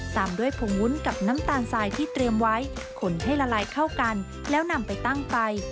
ตามด้วยผงวุ้นกับน้ำตาลทรายที่เตรียมไว้ขนให้ละลายเข้ากันแล้วนำไปตั้งไป